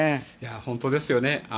本当ですよね。